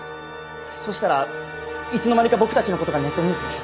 そしたらいつの間にか僕たちの事がネットニュースに。